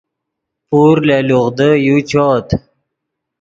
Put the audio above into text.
پور لے لوغدو یو چؤت